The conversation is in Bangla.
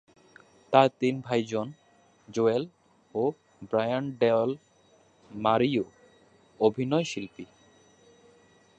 তার তিন ভাই জন, জোয়েল ও ব্রায়ান ডয়েল-মারিও অভিনয়শিল্পী।